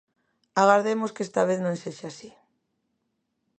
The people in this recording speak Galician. Agardemos que esta vez non sexa así.